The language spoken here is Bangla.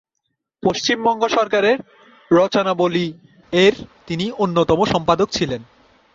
পশ্চিমবঙ্গ সরকারের "রবীন্দ্ররচনাবলী"র তিনি অন্যতম সম্পাদক ছিলেন।